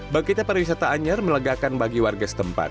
bagita para wisata anyer melegakan bagi warga setempat